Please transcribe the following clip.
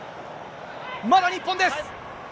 まだ日本です。